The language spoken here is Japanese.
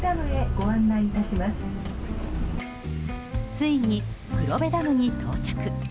ついに黒部ダムに到着。